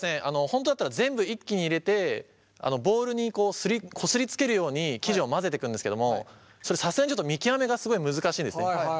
本当だったら全部一気に入れてボウルにこすりつけるように生地を混ぜてくんですけどもそれさすがにちょっと見極めがすごい難しいんですね。